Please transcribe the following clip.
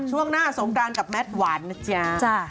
ช่วงหน้าสงกรานกับแมทหวานนะจ๊ะ